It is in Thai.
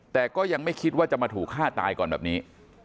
แต่ก็ยังไม่คิดว่าจะมาถูกฆ่าตายก่อนแบบนี้